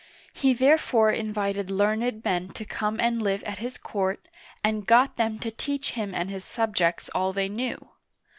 He therefore invited learned men to come and live at his court, and got them to teach him and his sub jects all they knew.